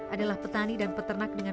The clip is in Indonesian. adalah petani dan peternak dengan